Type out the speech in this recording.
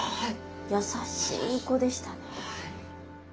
優しい子でしたね。